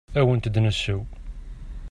Ad awent-d-nesseww.